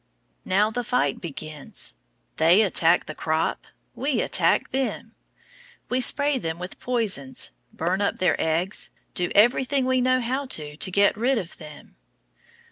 Now the fight begins. They attack the crop, we attack them. We spray them with poisons, burn up their eggs, do everything we know how to get rid of them.